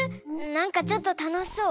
なんかちょっとたのしそう。